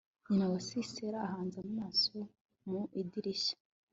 nyina wa sisera ahanze amaso mu idirishya